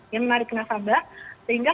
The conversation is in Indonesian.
yang menarik nasabah sehingga